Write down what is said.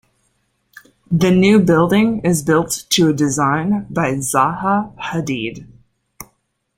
The new building is built to a design by Zaha Hadid.